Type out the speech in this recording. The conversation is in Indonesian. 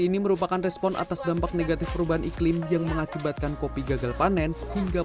ini merupakan respon atas dampak negatif perubahan iklim yang mengakibatkan kopi gagal panen hingga